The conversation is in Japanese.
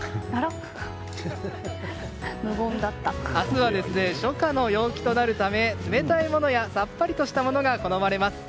明日は、初夏の陽気となるため冷たいものやさっぱりとしたものが好まれます。